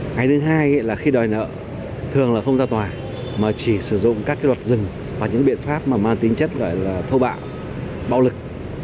cái thứ hai là khi đòi nợ thường là không ra tòa mà chỉ sử dụng các luật rừng và những biện pháp mà mang tính chất gọi là thô bạo bạo lực